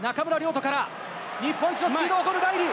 土から、日本一のスピードを誇るライリー。